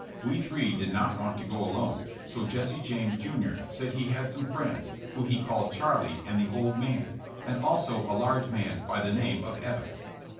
We three did not want to go alone, so Jesse James, jr., said he had some friends, who he called Charlie and the old man, and also a large man by the name of Evans.